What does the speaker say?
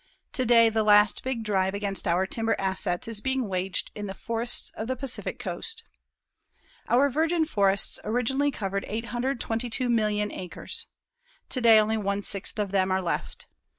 Today, the last big drive against our timber assets is being waged in the forests of the Pacific Coast. Our virgin forests originally covered 822,000,000 acres. Today, only one sixth of them are left.